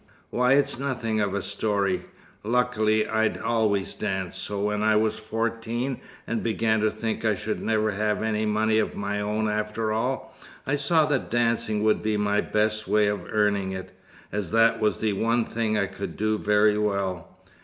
"Why, it's nothing of a story. Luckily, I'd always danced. So when I was fourteen, and began to think I should never have any money of my own after all, I saw that dancing would be my best way of earning it, as that was the one thing I could do very well.